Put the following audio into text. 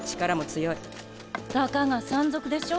たかが山賊でしょ。